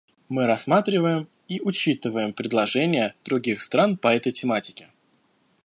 Мы рассматриваем и учитываем предложения других стран по этой тематике.